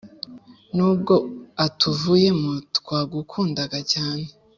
nubwo atuvuyemo twagukundaga cyane